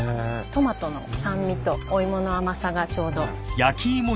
トマトの酸味とお芋の甘さがちょうど。